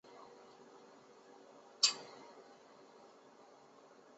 中华民国与密克罗尼西亚联邦关系是指中华民国与密克罗尼西亚联邦之间的关系。